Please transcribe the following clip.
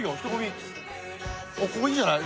ここいいんじゃない？